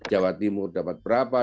jawa timur dapat berapa